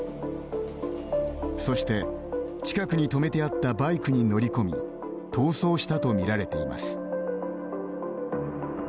そして、近くに止めてあったバイクに乗り込み逃走したとみられています。